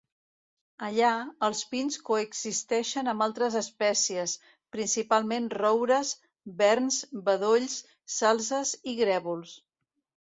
Allà, els pins coexisteixen amb altres espècies, principalment roures, verns, bedolls, salzes i grèvols.